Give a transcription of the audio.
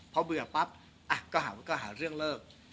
พอเบื่อปั๊บก็หาเรื่องเลิก